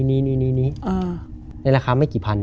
นี่ในราคาไม่กี่พัน